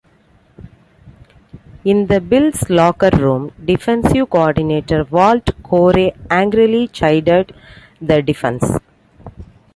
In the Bills' locker room, Defensive Coordinator Walt Corey angrily chided the defense.